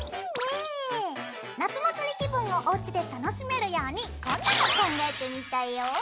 夏祭り気分をおうちで楽しめるようにこんなの考えてみたよ。